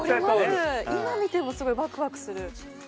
今見てもすごいワクワクする。